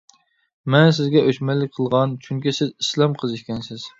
مەن سىزگە ئۆچمەنلىك قىلغان، چۈنكى سىز ئىسلام قىزى ئىكەنسىز.